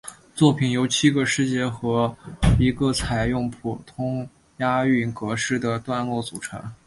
作品由七个诗节和一个采用普通押韵格式的段落组成。